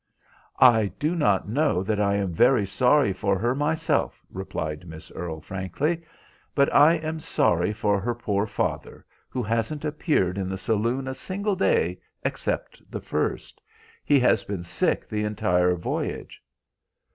"I do not know that I am very sorry for her myself," replied Miss Earle, frankly; "but I am sorry for her poor old father, who hasn't appeared in the saloon a single day except the first. He has been sick the entire voyage."